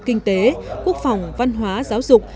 kinh tế quốc phòng văn hóa giáo dục